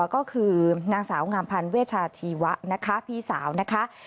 ก็คือนางสาวงามพันธ์เวชาชีวะนะคะพี่สาวนะคะ